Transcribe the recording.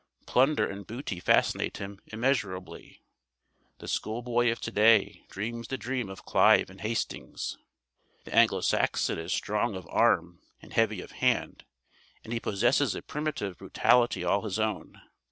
Plunder and booty fascinate him immeasurably. The schoolboy of to day dreams the dream of Clive and Hastings. The Anglo Saxon is strong of arm and heavy of hand, and he possesses a primitive brutality all his own.